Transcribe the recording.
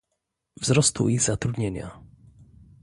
wzrostu i zatrudnienia